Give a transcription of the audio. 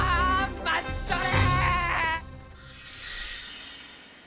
待っちょれ！